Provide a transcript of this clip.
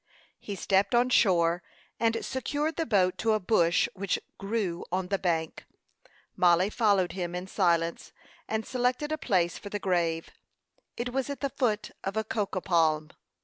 He stepped on shore, and secured the boat to a bush which grew on the bank. Mollie followed him in silence, and selected a place for the grave. It was at the foot of a cocoa palm.